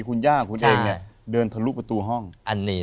โปรดติดตามต่อไป